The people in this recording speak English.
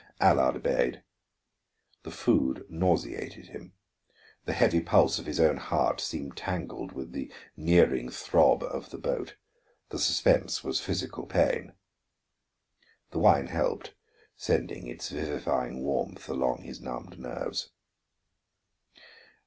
Allard obeyed. The food nauseated him, the heavy pulse of his own heart seemed tangled with the nearing throb of the boat; the suspense was physical pain. The wine helped, sending its vivifying warmth along his numbed nerves.